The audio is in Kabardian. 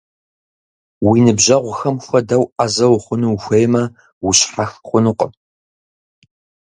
Уи ныбжьэгъухэм хуэдэу Ӏэзэ ухъуну ухуеймэ, ущхьэх хъунукъым.